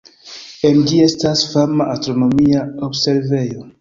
En ĝi estas fama astronomia observejo.